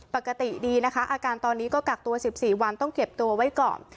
ปกติดีนะคะอาการตอนนี้ก็กักตัว๑๔วันต้องเก็บตัวไว้ก่อน